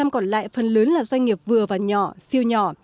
năm mươi còn lại phần lớn là doanh nghiệp vừa và nhỏ siêu nhỏ